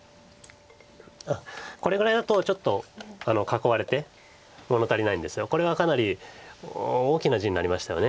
これぐらいだとちょっと囲われて物足りないんですがこれがかなり大きな地になりましたよね